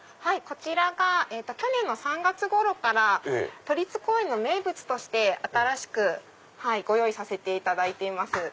こちらが去年の３月ごろから都立公園の名物として新しくご用意させていただいています。